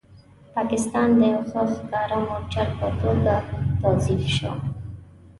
پاکستان د یو ښکاره مورچل په توګه توظیف شو.